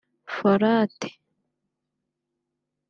folate